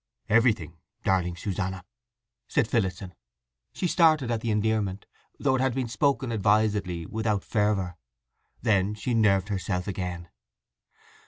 "Everything, darling Susanna," said Phillotson. She started at the endearment, though it had been spoken advisedly without fervour. Then she nerved herself again.